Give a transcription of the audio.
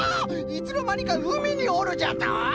いつのまにかうみにおるじゃと！？